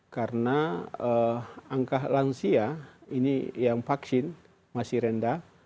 karena angka lansia ini yang vaksin masih rendah